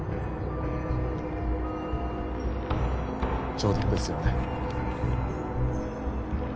冗談ですよね？